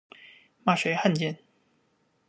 骂谁汉奸